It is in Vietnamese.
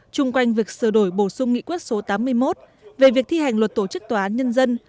chung quanh việc sửa đổi bổ sung nghị quyết số tám mươi một về việc thi hành luật tổ chức tòa án nhân dân